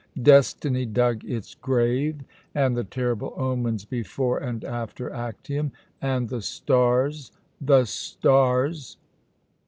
Destiny dug its grave. And the terrible omens before and after Actium, and the stars the stars!